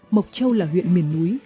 mộc châu là huyện miền núi